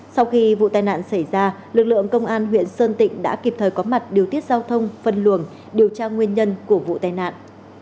sau khi vụ tai nạn xảy ra lực lượng công an huyện sơn tịnh đã kịp thời có mặt điều tiết giao thông phân luồng điều tra nguyên nhân của vụ tai nạn